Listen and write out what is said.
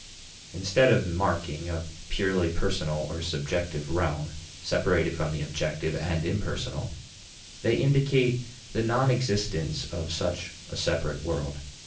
Instead of marking a purely personal or subjective realm, separated from the objective and impersonal, they indicate the non existence of such a separate world.